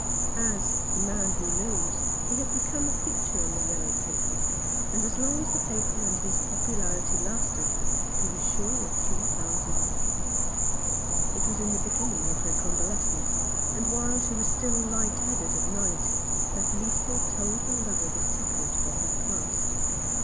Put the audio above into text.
As " The Man who Knows" he had become a feature on the yellow paper, and as long as the paper and his popularity lasted he was sure of three pounds a week. It was in the beginning of her convalescence, and while she was still light headed at night, that Lisa told her lover the secret of her past.